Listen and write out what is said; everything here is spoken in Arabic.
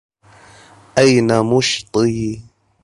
أين مشطي ؟